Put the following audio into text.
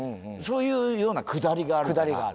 そういうようなくだりがあるから。